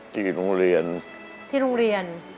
ที่โรงเรียน